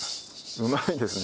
うまいですね。